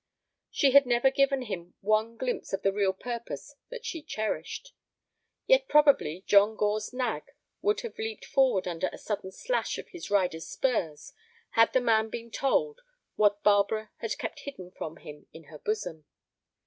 She had never given him one glimpse of the real purpose that she cherished. Yet probably John Gore's nag would have leaped forward under a sudden slash of his rider's spurs had the man been told what Barbara had kept hidden from him in her bosom.